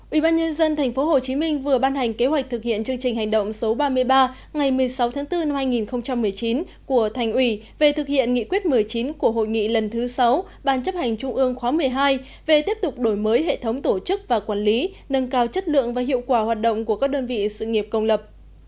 ubnd tp hcm vừa ban hành kế hoạch thực hiện chương trình hành động số ba mươi ba ngày một mươi sáu tháng bốn năm hai nghìn một mươi chín của thành ủy về thực hiện nghị quyết một mươi chín của hội nghị lần thứ sáu ban chấp hành trung ương khóa một mươi hai về tiếp tục đổi mới hệ thống tổ chức và quản lý nâng cao chất lượng và hiệu quả hoạt động của các đơn vị sự nghiệp công lập